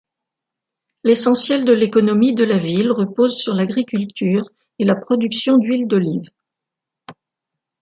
L'essentiel de l'économie de la ville repose sur l'agriculture et la production d'huile d'olive.